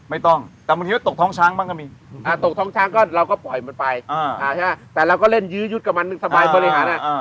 ไม่ต้องแต่บางทีก็ตกท้องช้างบ้างก็มีตกท้องช้างก็เราก็ปล่อยมันไปแต่เราก็เล่นยื้อยุดกับมันสบายบริหาร